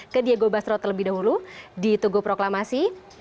ke diego basro terlebih dahulu di tugu proklamasi